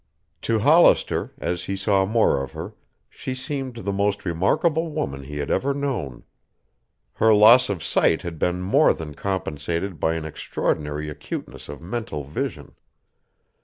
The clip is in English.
To Hollister, as he saw more of her, she seemed the most remarkable woman he had ever known. Her loss of sight had been more than compensated by an extraordinary acuteness of mental vision.